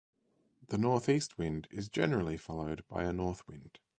The northeast wind is generally followed by a north wind.